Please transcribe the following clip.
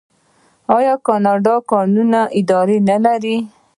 آیا کاناډا د کانونو اداره نلري؟